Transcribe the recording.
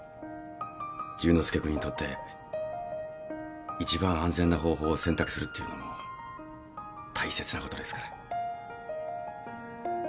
淳之介君にとって一番安全な方法を選択するっていうのも大切なことですから。